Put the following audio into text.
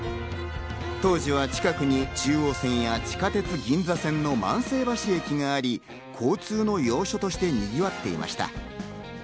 当時は近くに中央線や地下鉄銀座線の万世橋駅があり、交通の要所としてにぎわっていました。